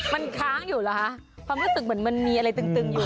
มันค้างอยู่เหรอคะความรู้สึกเหมือนมันมีอะไรตึงอยู่